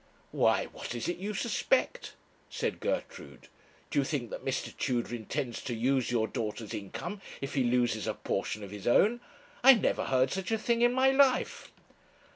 'Why, what is it you suspect?' said Gertrude. 'Do you think that Mr. Tudor intends to use your daughter's income if he loses a portion of his own? I never heard such a thing in my life.'